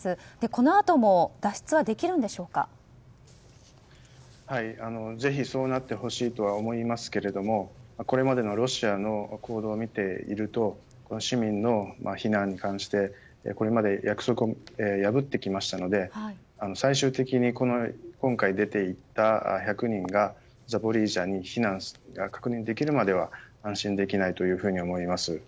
このあともぜひそうなってほしいとは思いますけれどもこれまでのロシアの行動を見ていると市民の避難に関してこれまで約束を破ってきましたので最終的に、今回出ていった１００人がザポリージャに避難が確認できるまでは安心できないと思います。